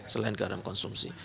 selain garam konsumsi